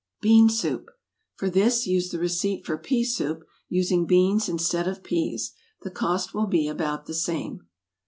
=Bean Soup.= For this, use the receipt for pea soup, using beans instead of peas; the cost will be about the same.